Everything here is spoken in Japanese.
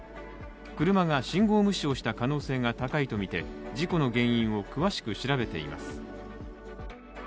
車が信号無視をした可能性が高いとみて事故の原因を詳しく調べています。